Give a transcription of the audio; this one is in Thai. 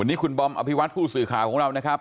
วันนี้คุณบอมอภิวัตผู้สื่อข่าวของเรานะครับ